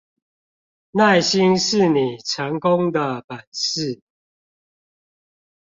耐心是你成功的本事